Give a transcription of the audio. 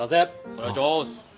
お願いします！